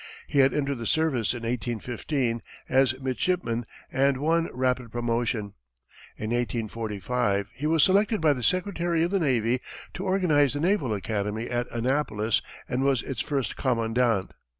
He had entered the service in 1815, as midshipman, and won rapid promotion. In 1845, he was selected by the secretary of the navy to organize the naval academy at Annapolis, and was its first commandant.